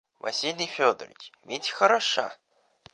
Василий Федорович, ведь хороша?